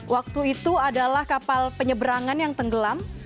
waktu itu adalah kapal penyeberangan yang tenggelam